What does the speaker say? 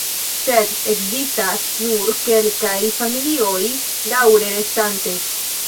Sed ekzistas nur kelkaj familioj daŭre restante.